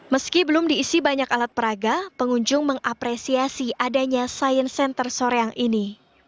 meski belum diisi banyak alat peraga pengunjung mengapresiasi adanya science center soreang ini